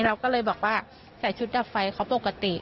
เราก็เลยบอกว่าใส่ชุดดับไฟเขาปกติ